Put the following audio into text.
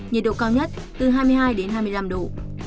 nhiệt độ cao nhất từ hai mươi hai đến hai mươi năm độ